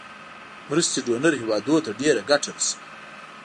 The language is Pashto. مرستې ډونر هیوادونو ته ډیره ګټه رسوي.